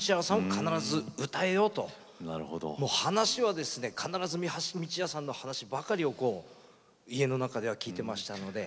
必ず歌えよと話は、必ず三橋美智也さんの話ばかりを家の中では聞いてましたので。